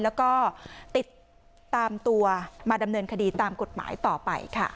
แล้วก็ติดตามตัวมาดำเนินคดีตามกฎหมายต่อไปค่ะ